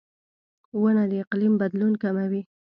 • ونه د اقلیم بدلون کموي.